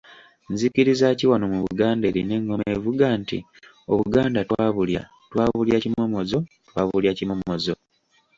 "Nzikiriza ki wano mu Buganda erina engoma evuga nti “Obuganda twabulya, twabulya kimomozo, twabulya kimomozo”?"